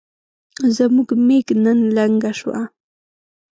زموږ ميږ نن لنګه شوه